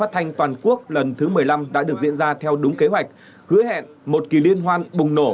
thanh toàn quốc lần thứ một mươi năm đã được diễn ra theo đúng kế hoạch hứa hẹn một kỳ liên hoan bùng nổ